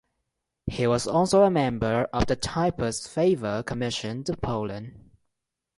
He was also a member of the Typhus Fever Commission to Poland.